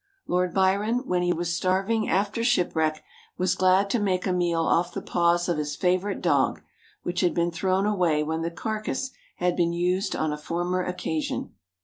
Lord Byron, when he was starving after shipwreck, was glad to make a meal off the paws of his favourite dog, which had been thrown away when the carcase had been used on a former occasion.